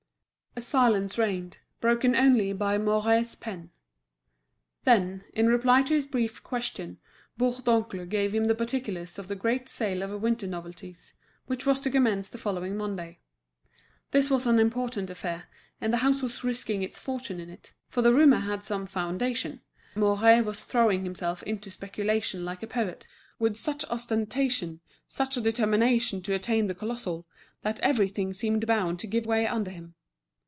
A silence reigned, broken only by Mouret's pen. Then, in reply to his brief questions, Bourdoncle gave him the particulars of the great sale of winter novelties, which was to commence the following Monday. This was an important affair, and the house was risking its fortune in it; for the rumour had some foundation, Mouret was throwing himself into speculation like a poet, with such ostentation, such a determination to attain the colossal, that everything seemed bound to give way under him.